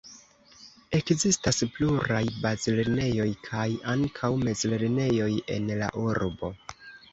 Ekzistas pluraj bazlernejoj kaj ankaŭ mezlernejoj en la urbo.